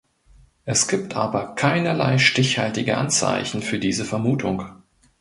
Es gibt aber keinerlei stichhaltige Anzeichen für diese Vermutung.